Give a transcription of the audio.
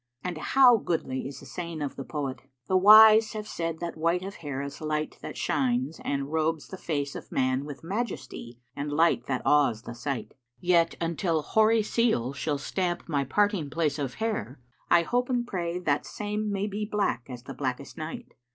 And how goodly is the saying of the poet, 'The wise have said that white of hair is light that shines and robes * The face of man with majesty and light that awes the sight; Yet until hoary seal shall stamp my parting place of hair * I hope and pray that same may be black as the blackest night.